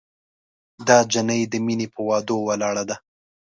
دا جینۍ د مینې پهٔ وعدو ولاړه ده